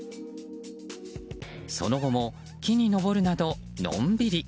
その後も、木に登るなどのんびり。